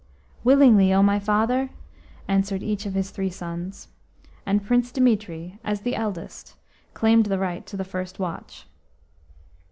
"Willingly, O my father," answered each of his three sons; and Prince Dimitri, as the eldest, claimed the right to the first watch.